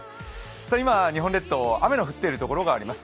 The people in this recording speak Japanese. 今、日本列島、雨の降っているところがあります。